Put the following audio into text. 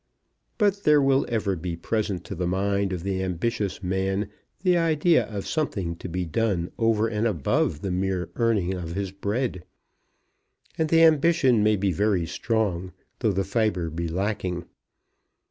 But there will ever be present to the mind of the ambitious man the idea of something to be done over and above the mere earning of his bread; and the ambition may be very strong, though the fibre be lacking.